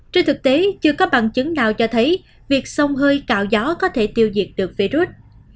trên thực tế chưa có bằng chứng nào cho thấy việc sông hơi cạo gió có thể tiêu diệt được virus